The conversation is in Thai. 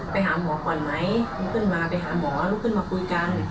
ไปหาหมอก่อนไหมลุกขึ้นมาไปหาหมอลุกขึ้นมาคุยกัน